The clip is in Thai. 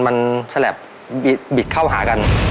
มันฉลับบิดเข้าหากัน